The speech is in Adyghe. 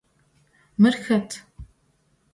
Mır xet?